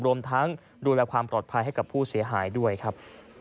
รวมทั้งดูแลความปลอดภัยให้กับผู้เสียหายด้วยครับ